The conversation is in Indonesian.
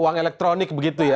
uang elektronik begitu ya